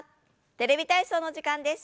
「テレビ体操」の時間です。